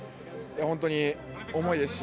本当に重いですし、